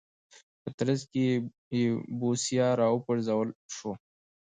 په ترڅ کې یې بوسیا راوپرځول شو.